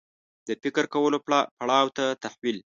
د فکر کولو پړاو ته تحول